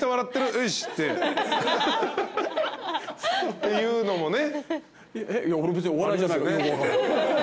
っていうのもね。